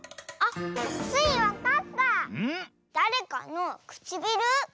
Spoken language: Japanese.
だれかのくちびる？